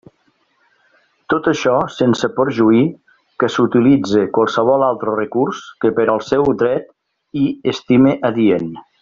Tot això sense perjuí que s'utilitze qualsevol altre recurs que per al seu dret hi estime adient.